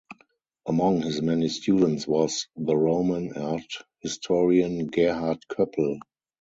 Among his many students was the Roman art historian Gerhard Koeppel.